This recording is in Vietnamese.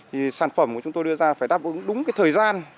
thì sản phẩm của chúng tôi đưa ra phải đáp ứng đúng cái thời gian